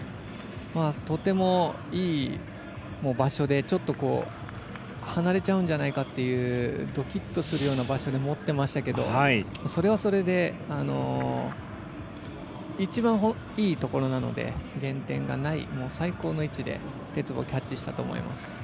とても、いい場所でちょっと離れちゃうんじゃないかっていう、ドキッとする場所で持ってましたけどそれはそれで一番、いいところなので減点がない最高の位置で鉄棒をタッチしたと思います。